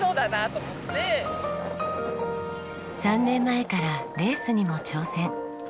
３年前からレースにも挑戦。